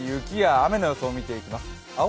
雪や雨の予想を見ていきます。